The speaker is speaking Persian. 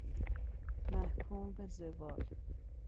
محکوم به زوال